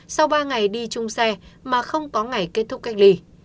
sau ba ngày đi chung xe mà không có ngày kết thúc cách ly